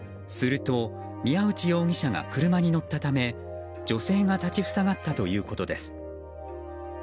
すると宮内容疑者が車に乗ったため女性が立ち塞がったということです。